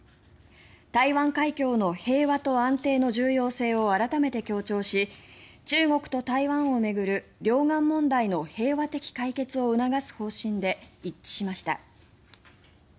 台湾海峡の平和と安定の重要性を改めて強調し中国と台湾を巡る両岸問題の平和的解決を促す方針で一致しました。